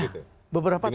ya beberapa temuan